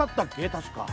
確か。